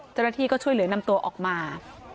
เจ้าหน้าที่ก็ช่วยเหลือนำตัวออกมา